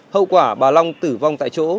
hậu quả bà long tử vong tại chỗ